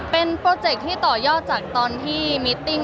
เป็นโปรเจคที่ต่อยอดจากตอนที่มิตติ้ง